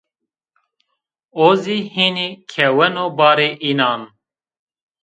O zî hinî keweno barê înan